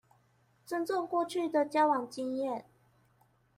尊重過去的交往經驗